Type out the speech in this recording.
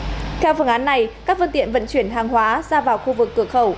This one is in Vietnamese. theo phương án này các phương tiện vận chuyển hàng hóa ra vào khu vực cửa khẩu